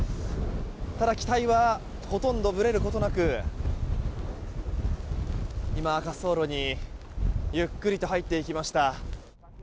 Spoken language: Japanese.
ただ、機体はほとんどぶれることなく今、滑走路にゆっくりと入っていきました。